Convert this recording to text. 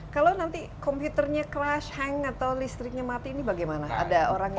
kalau nanti komputernya crush hang atau listriknya mati ini bagaimana